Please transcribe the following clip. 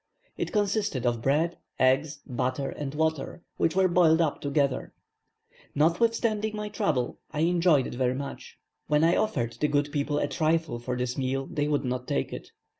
It consisted of bread, eggs, butter, and water, which were boiled up together. Notwithstanding my trouble, I enjoyed it very much. When I offered the good people a trifle for this meal they would not take it.